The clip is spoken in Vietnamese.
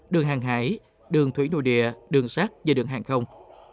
đường hàng hải đường thủy nội địa đường sát và đường hàng không